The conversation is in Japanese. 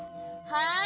はい。